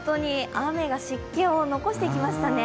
雨が湿気を残していきましたね。